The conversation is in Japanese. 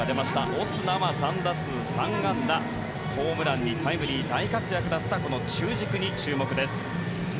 オスナは３打数３安打ホームランにタイムリー大活躍だったこの中軸に注目です。